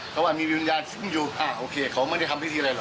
เขาว่ามีวิวิวญาณชิ้นอยู่อ่าเอะโอเคเขาไม่ได้ทำพฤติอะไรเหรอ